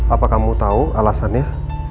apa kamu tahu alasannya